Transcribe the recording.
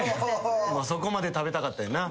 そこまで食べたかったんやな。